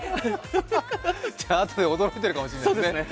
あとで驚いているかもしれないですね。